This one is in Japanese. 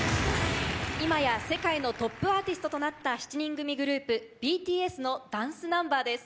今や世界のトップアーティストとなった７人組グループＢＴＳのダンスナンバーです。